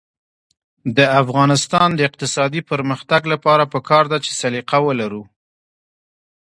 د افغانستان د اقتصادي پرمختګ لپاره پکار ده چې سلیقه ولرو.